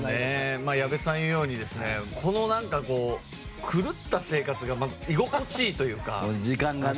矢部さんが言うようにこの狂った生活が居心地いいというか。